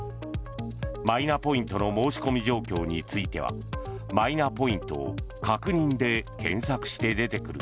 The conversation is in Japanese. マイナポイントの申し込み状況については「マイナポイント確認」で検索して出てくる